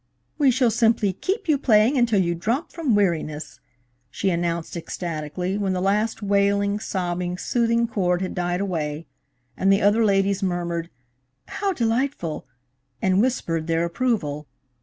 "We shall simply keep you playing until you drop from weariness," she announced ecstatically, when the last wailing, sobbing, soothing chord had died away; and the other ladies murmured, "How delightful!" and whispered their approval.